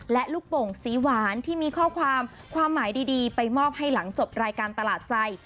และลูกโป่งสีหวานที่มีข้อความความหมายดีไปมอบให้หลังจบรายการตลาดใจ